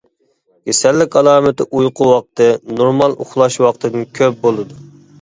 كېسەللىك ئالامىتى ئۇيقۇ ۋاقتى نورمال ئۇخلاش ۋاقتىدىن كۆپ بولىدۇ.